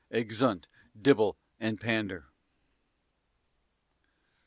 _Exeunt Dibble and Pander.